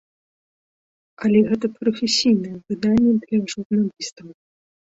Але гэта прафесійнае выданне для журналістаў.